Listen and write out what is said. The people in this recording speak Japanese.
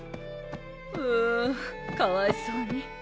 ううかわいそうに。